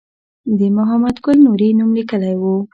د محمد ګل نوري نوم لیکلی و.